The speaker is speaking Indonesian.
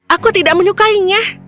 aku tidak menyukainya